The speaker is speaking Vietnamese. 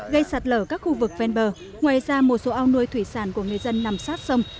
gây sạt lở các khu vực ven bờ ngoài ra một số ao nuôi thủy sản của người dân nằm sát sông